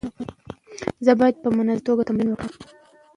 زه باید په منظمه توګه تمرین وکړم.